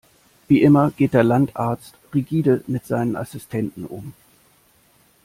Wie immer geht der Landarzt rigide mit seinen Assistenten um.